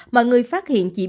mọi người phát hiện chị b